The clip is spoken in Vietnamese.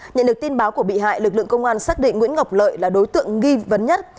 nhận được tin báo của bị hại lực lượng công an xác định nguyễn ngọc lợi là đối tượng nghi vấn nhất